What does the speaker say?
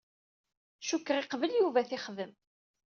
Cukkeɣ iqbel Yuba ad t-ixdem.